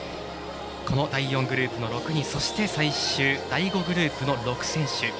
第４グループの６人最終第５グループの６選手。